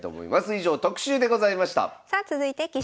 以上特集でございました。